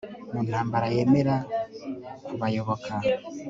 mu ntambara yemera kubayoboka